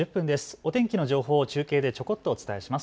お天気の情報を中継でちょこっとお伝えします。